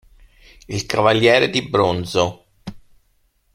Il cavaliere di bronzo